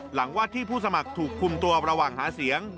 หลังวัดที่ผู้สมัครถูกคุมตัวระหว่างหาเสียง